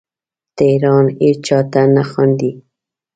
تهران هیچا ته نه خاندې